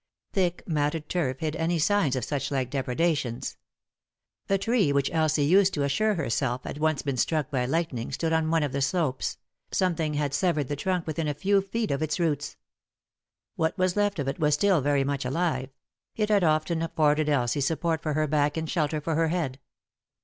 Thick matted turf hid any signs of such like depredations. A tree which Elsie used to assure herself had once been struck by lightning stood on one of the slopes — something had severed the trunk within a few feet of its roots. What was left of it was still very much alive ; it had often afforded Elsie support for her back and shelter for her head.